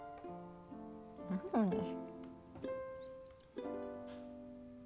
なのに。